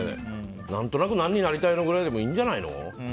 何となく何になりたいの？くらいでいいんじゃないの？